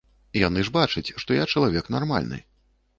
Яны ж бачаць, што я чалавек нармальны.